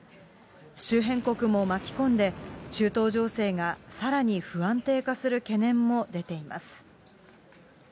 周辺国も巻き込んで、中東情勢がさらに不安定化する懸念も出ています。